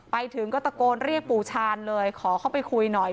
ไปถึงก็ตะโกนเรียกปู่ชาญเลยขอเข้าไปคุยหน่อย